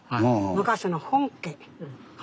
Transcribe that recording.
昔の本家。